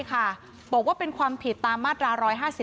ใช่ค่ะบอกว่าเป็นความผิดตามมาตรา๑๕๗